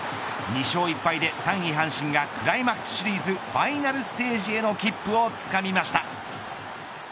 ２勝１敗で３位阪神がクライマックスシリーズファイナルステージへの切符をつかみました。